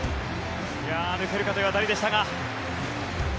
抜けるかという当たりでしたが。